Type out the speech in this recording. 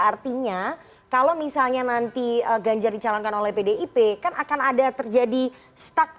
artinya kalau misalnya nanti ganjar dicalonkan oleh pdip kan akan ada terjadi stuck